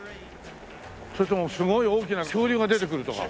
それともすごい大きな恐竜が出てくるとか。